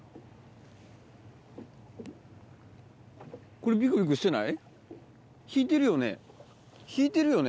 これビクビクしてない？